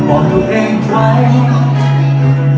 ต้องบอกตัวเองไกล